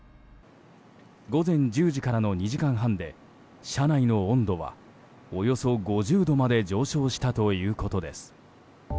午前１０時からの２時間半で車内の温度はおよそ５０度まで上昇したということです。